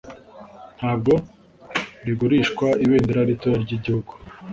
Ntabwo rigurishwa ibendera ritoya ry igihugu